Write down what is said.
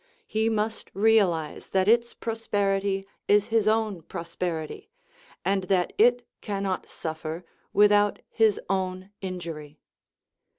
He must realize that its prosperity is his own prosperity, and that it cannot suffer without his own injury.